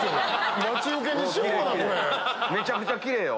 めちゃくちゃキレイよ。